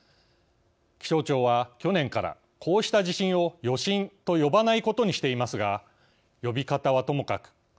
気象庁は去年からこうした地震を余震と呼ばないことにしていますが呼び方はともかく